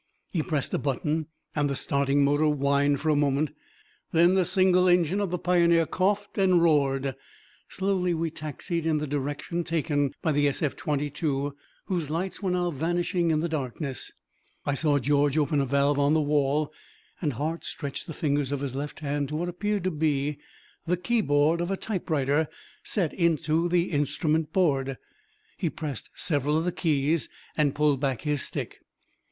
He pressed a button and the starting motor whined for a moment. Then the single engine of the Pioneer coughed and roared. Slowly we taxied in the direction taken by the SF 22, whose lights were now vanishing in the darkness. I saw George open a valve on the wall and Hart stretched the fingers of his left hand to what appeared to be the keyboard of a typewriter set into the instrument board. He pressed several of the keys and pulled back his stick.